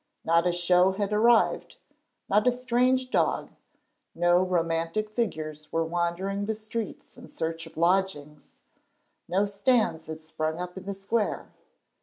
Not a show had arrived, not a strange dog, no romantic figures were wandering the streets in search of lodgings, no stands had sprung up in the square.